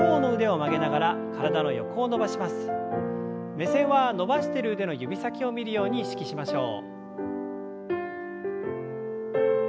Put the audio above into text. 目線は伸ばしている腕の指先を見るように意識しましょう。